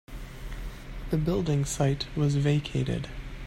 The building site was vacated.